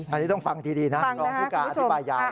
อันนี้ต้องฟังดีนะรองผู้การอธิบายยาว